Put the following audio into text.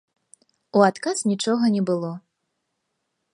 У адказ нічога не было.